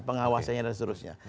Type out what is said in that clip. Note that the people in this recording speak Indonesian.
pengawasannya sudah ada